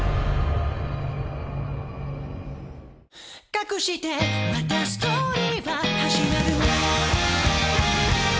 「かくしてまたストーリーは始まる」